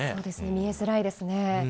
見えづらいですね。